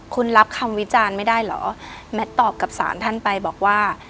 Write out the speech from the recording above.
คุณรับคำวิจารณ์ไม่ได้เหรอแมทตอบกับสารท่านไปบอกว่า